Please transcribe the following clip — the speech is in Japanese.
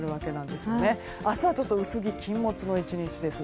明日はちょっと薄着禁物の１日です。